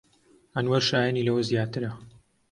ئەنوەر شایەنی لەوە زیاترە.